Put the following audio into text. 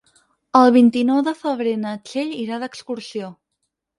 El vint-i-nou de febrer na Txell irà d'excursió.